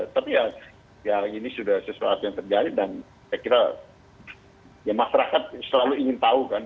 tapi ya ini sudah sesuatu yang terjadi dan saya kira ya masyarakat selalu ingin tahu kan